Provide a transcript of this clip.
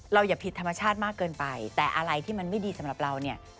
อย่าผิดธรรมชาติมากเกินไปแต่อะไรที่มันไม่ดีสำหรับเราเนี่ย